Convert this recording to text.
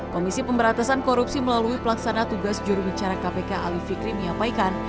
komisi pemberatasan korupsi melalui pelaksana tugas jurubicara kpk ali fikri menyampaikan